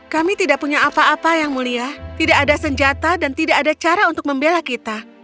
kami tidak punya apa apa yang mulia tidak ada senjata dan tidak ada cara untuk membela kita